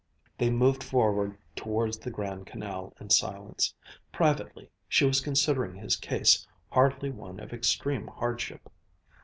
They moved forward towards the Grand Canal in silence. Privately she was considering his case hardly one of extreme hardship.